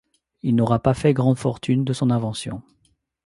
Il n'aura pas fait grande fortune de son invention.